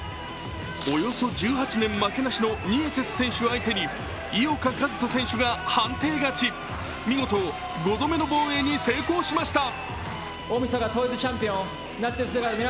およそ１８年負けなしのニエテス選手相手に井岡一翔選手が判定勝ち、見事５度目の防衛に成功しました。